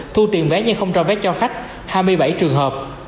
thu tiền vé nhưng không cho vé cho khách hai mươi bảy trường hợp